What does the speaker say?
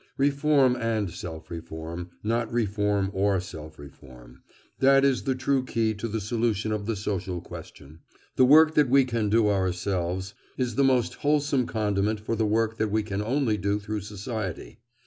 Reform and self reform, not reform or self reform—that is the true key to the solution of the social question. The work that we can do ourselves is the most wholesome condiment for the work that we can only do through society.